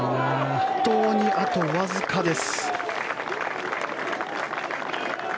本当にあとわずかです。